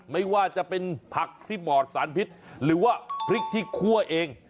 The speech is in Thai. ไม่ว่าจะเป็นผักที่หมอดสารพิษหรือว่าพริกที่คั่วเอง